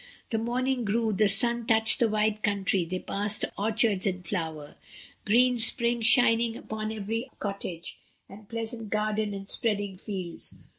The morning grew, the sunrise touched the wide country, they passed orchards in flower, green spring shining upon every cottage, and pleasant garden and spreading fields.